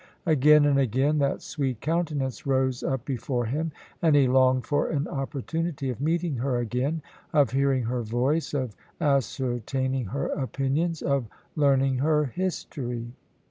Again and again that sweet countenance rose up before him, and he longed for an opportunity of meeting her again of hearing her voice, of ascertaining her opinions, of learning her history.